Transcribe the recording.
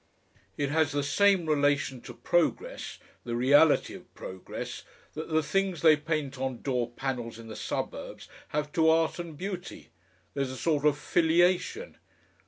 "It has the same relation to progress the reality of progress that the things they paint on door panels in the suburbs have to art and beauty. There's a sort of filiation....